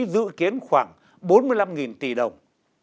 dự kiến khoảng bốn mươi năm tỷ đồng